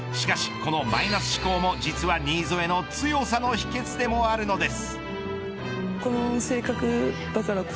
このマイナス思考も実は新添の強さの秘訣でもあるのです。